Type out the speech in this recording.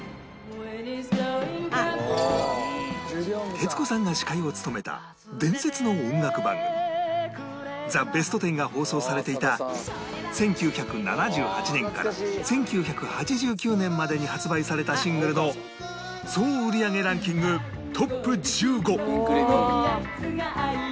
徹子さんが司会を務めた伝説の音楽番組『ザ・ベストテン』が放送されていた１９７８年から１９８９年までに発売されたシングルの総売り上げランキングトップ１５